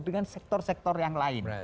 dengan sektor sektor yang lain